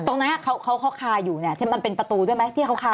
ตรงนั้นเขาเขาคาอยู่เนี่ยมันเป็นประตูด้วยไหมที่เขาคา